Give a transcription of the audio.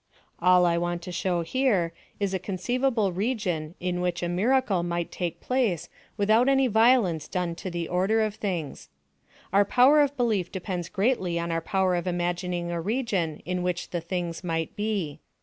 All I want to show here, is a conceivable region in which a miracle might take place without any violence done to the order of things. Our power of belief depends greatly on our power of imagining a region in which the things might be.